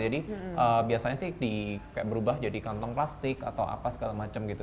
jadi biasanya sih di berubah jadi kantong plastik atau apa segala macam gitu